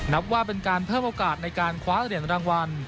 นับว่าเป็นการเพิ่มโอกาสในการคว้าเหรียญรางวัล